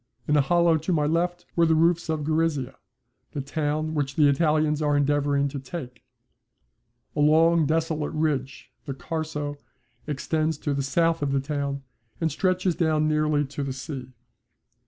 In a hollow to my left were the roofs of Gorizia, the town which the Italians are endeavouring to take. A long desolate ridge, the Carso, extends to the south of the town, and stretches down nearly to the sea.